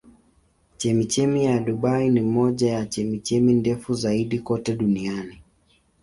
Chemchemi ya Dubai ni moja ya chemchemi ndefu zaidi kote duniani.